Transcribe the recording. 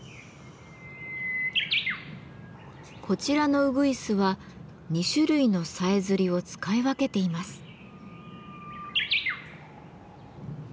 こちらのうぐいすは２種類のさえずりを使い分けています。